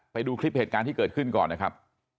ไปดูคลิปเหตุการณ์ที่เกิดขึ้นก่อนนะครับ